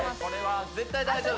絶対大丈夫！